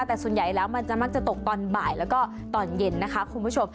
แต่ส่วนใหญ่แล้วมันจะมักจะตกตอนบ่ายแล้วก็ตอนเย็นนะคะคุณผู้ชม